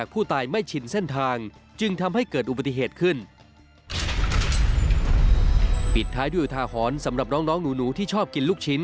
ปิดท้ายด้วยอุทาหรณ์สำหรับน้องน้องหนูที่ชอบกินลูกชิ้น